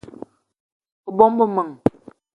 O bóng-be m'men